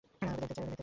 ওকে দেখতে চাই।